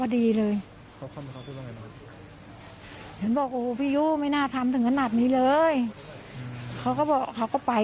ที่ผ่านมาก็เป็นเพื่อนบ้านกันโดยไหม